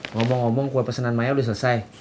ngomong ngomong kue pesenan maya udah selesai